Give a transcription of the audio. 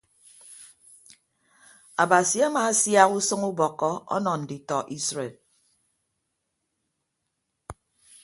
Abasi amaasiak usʌñ ubọkkọ ọnọ nditọ isred.